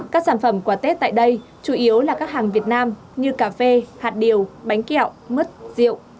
các sản phẩm quà tết tại đây chủ yếu là các hàng việt nam như cà phê hạt điều bánh kẹo mứt rượu